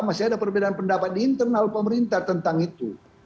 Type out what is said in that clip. masih ada perbedaan pendapat di internal pemerintah tentang itu